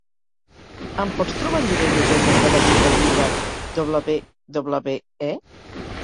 Em pots trobar el llibre Llegendes de la lluita lliure WWE?